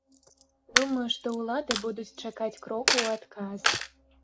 Думаю, што ўлады будуць чакаць кроку ў адказ.